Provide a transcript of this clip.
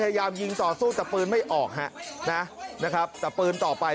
พยายามยิงต่อสู้แต่ปืนไม่ออกฮะนะนะครับแต่ปืนต่อไป